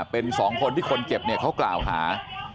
เป็น๒คนที่คนเจ็บเนี่ยเขากล่าวค้า